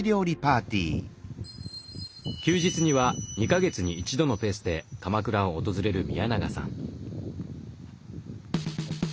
休日には２か月に一度のペースで鎌倉を訪れる宮永さん。